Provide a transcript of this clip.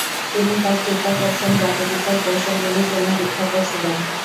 তিনি তার চিত্তাকর্ষক জাদুবিদ্যার কৌশলগুলির জন্য বিখ্যাত ছিলেন।